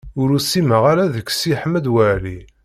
Ur usimeɣ ara deg Si Ḥmed Waɛli.